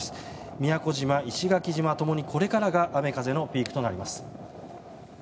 宮古島、石垣島共にこれから雨のピークとなります。